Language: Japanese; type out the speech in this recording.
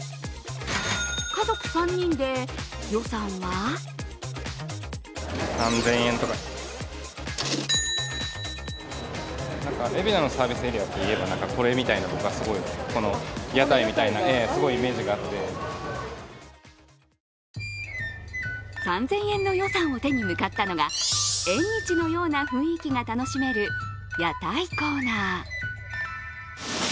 家族３人で予算は３０００円の予算を手に向かったのが縁日のような雰囲気が楽しめる屋台コーナー。